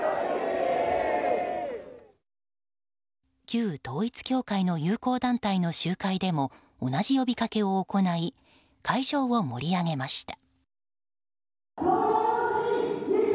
旧統一教会の友好団体の集会でも同じような呼びかけを行い会場を盛り上げました。